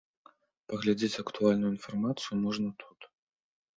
Паглядзець актуальную інфармацыю можна тут.